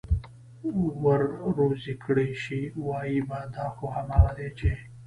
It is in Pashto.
ور روزي كړى شي، وايي به: دا خو همغه دي چې: